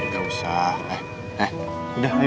gak usah eh eh udah